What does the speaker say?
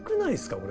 これ。